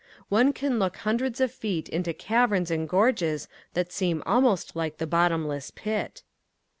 One can look hundreds of feet into caverns and gorges that seem almost like the bottomless pit.